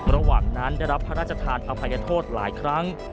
ระหว่างนั้นได้รับพระราชทานอภัยโทษหลายครั้ง